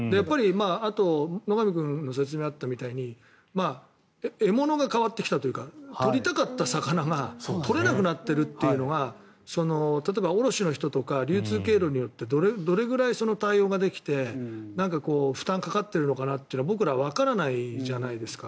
あと野上君の説明にあったみたいに獲物が変わってきたというか取りたかった魚が取れなくなっているっていうのが例えば卸の人とか流通経路によってどれぐらい対応ができて負担がかかっているのかなというのが僕らはわからないじゃないですか。